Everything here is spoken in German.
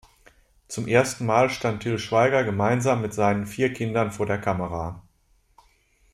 Zum ersten Mal stand Til Schweiger gemeinsam mit seinen vier Kindern vor der Kamera.